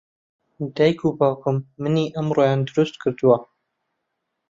دایک و باوکم منی ئەمڕۆیان دروست کردووە.